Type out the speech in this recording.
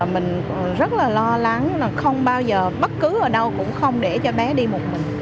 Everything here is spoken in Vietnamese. mình rất là lo lắng là không bao giờ bất cứ ở đâu cũng không để cho bé đi một mình